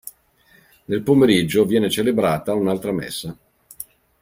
Nel pomeriggio viene celebrata un'altra messa.